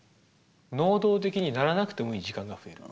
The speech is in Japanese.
能動的にならなくてもいい時間が増える。